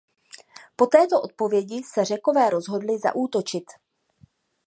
Po této odpovědi se Řekové rozhodli zaútočit.